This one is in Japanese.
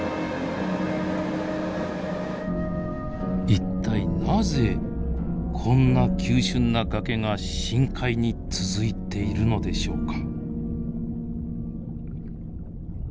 一体なぜこんな急峻な崖が深海に続いているのでしょうか。